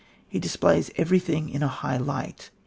He displays everything in a high light.